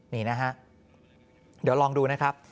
นี่นะฮะเดี๋ยวลองดูนะครับ